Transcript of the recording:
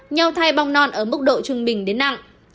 nhau thay bong non ở mức độ trung bình đến nặng